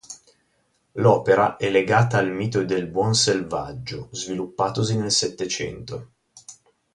L'opera è legata al mito del "buon selvaggio", sviluppatosi nel Settecento.